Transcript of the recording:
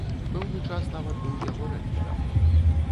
Пэўны час нават быў яго рэктарам.